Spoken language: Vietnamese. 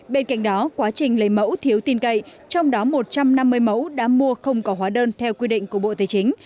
bên cạnh đó quá trình lấy mẫu thiếu tin cậy trong đó một trăm năm mươi mẫu đã mua không có hóa đơn theo quy định của bộ tài chính